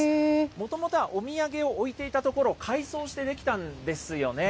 もともとはお土産を置いていたところを改装して出来たんですよね。